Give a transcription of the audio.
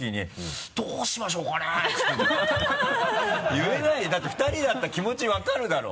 言えないよだって２人だったら気持ち分かるだろ？